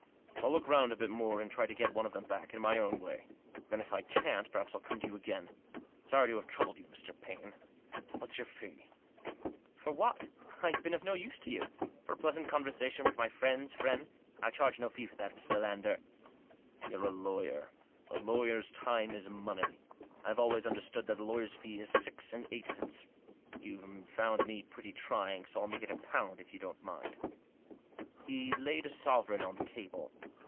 I'll look round a bit more, and try to get one of them back, in my own way. Then, if I can't, perhaps I'll come to you again. Sorry to have troubled you, Mr. Paine. What's your fee ?"" For what ? I've been of no use to you. For a pleasant conversation with my friend's friend ? I charge no fee for that, Mr. Lander." "You're a lawyer. A lawyer's time is money. I've always understood that a lawyer's fee is six and Digitized by THE RETICENCE OF CAPTAIN LANDER. 177 eightpence. YouVe found me pretty trying. So FU make it a pound if you don't mind." He laid a sovereign on the table.